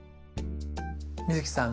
美月さん